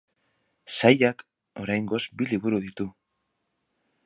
Sailak oraingoz bi liburu ditu.